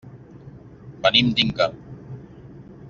Venim d'Inca.